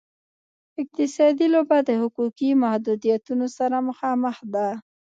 اقتصادي لوبه د حقوقي محدودیتونو سره مخامخ ده.